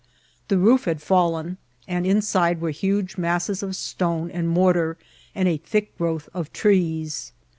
The roof had fallen, and inside were huge masses of stone and mor* tar, and a thick growth of trees.